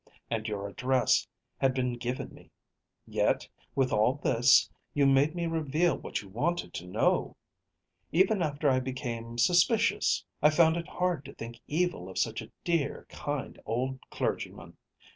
And your address had been given me. Yet, with all this, you made me reveal what you wanted to know. Even after I became suspicious, I found it hard to think evil of such a dear, kind old clergyman.